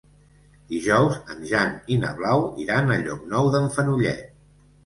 Dijous en Jan i na Blau iran a Llocnou d'en Fenollet.